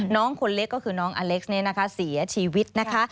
น้องคนเล็กก็คือน้องอเล็กซ์เนี่ยนะคะเสียชีวิตนะคะ